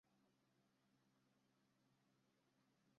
mingine na ibada ya sanamu ni kuvunja Amri za Mungu Yusufu mwana wa Yakobo